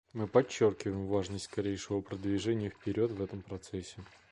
Мы подчеркиваем важность скорейшего продвижения вперед в этом процессе.